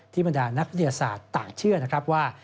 บรรดานักวิทยาศาสตร์ต่างเชื่อนะครับว่า